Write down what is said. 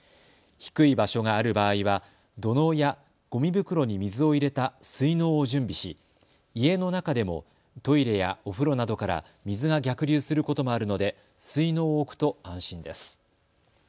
低い場所がある場合は土のうやごみ袋に水を入れた水のうを準備し家の中でもトイレやお風呂などから水が逆流することもあるので水のうを置くと安心です。